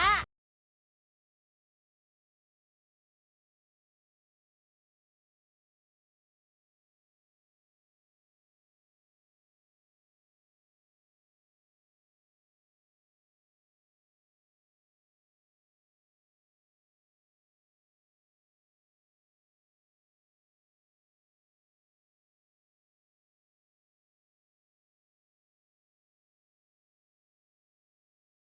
สวัสดีครับ